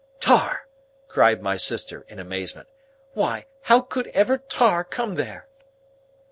"Tar!" cried my sister, in amazement. "Why, how ever could Tar come there?"